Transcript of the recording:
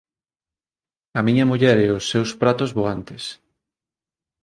A miña muller e os seus pratos voantes.